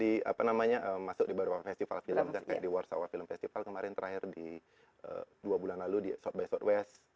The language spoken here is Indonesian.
tapi sudah masuk di baruah festival film kayak di warsaw film festival kemarin terakhir dua bulan lalu di sww